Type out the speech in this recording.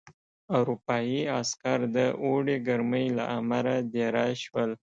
اروپايي عسکر د اوړي ګرمۍ له امله دېره شول.